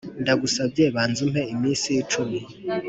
ndagusabye banza umpe iminsi icumi